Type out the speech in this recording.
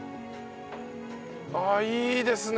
ああいいですね。